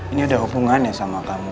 ini ada hubungannya sama kamu